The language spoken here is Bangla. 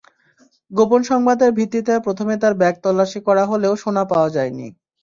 গোপন সংবাদের ভিত্তিতে প্রথমে তাঁর ব্যাগ তল্লাশি করা হলেও সোনা পাওয়া যায়নি।